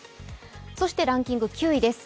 そしてランキング９位です。